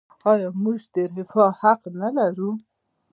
آیا موږ د رفاه حق نلرو؟